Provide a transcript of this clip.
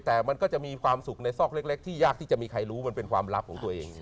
แต่มันก็จะมีความสุขในซอกเล็กที่ยากที่จะมีใครรู้มันเป็นความลับของตัวเอง